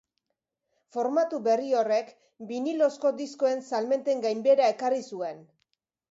Formatu berri horrek, binilozko diskoen salmenten gainbehera ekarri zuen.